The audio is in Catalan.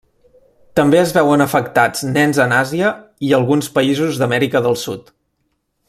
També es veuen afectats nens en Àsia i alguns països d'Amèrica del Sud.